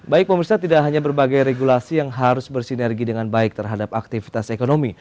baik pemirsa tidak hanya berbagai regulasi yang harus bersinergi dengan baik terhadap aktivitas ekonomi